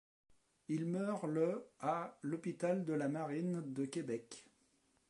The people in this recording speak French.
Il meurt le à l'hôpital de la Marine de Québec.